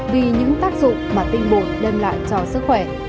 vì những tác dụng mà tinh bột đem lại cho sức khỏe